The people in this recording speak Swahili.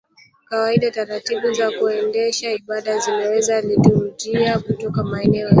kawaida taratibu za kuendesha ibada zinaitwa liturujia kutoka maneno ya